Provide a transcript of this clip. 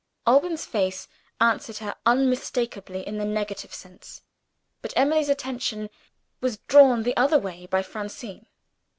Alban's face answered her unmistakably in the negative sense but Emily's attention was drawn the other way by Francine.